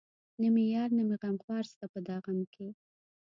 نه مې يار نه مې غمخوار شته په دا غم کې